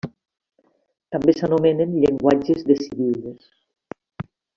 També s'anomenen llenguatges decidibles.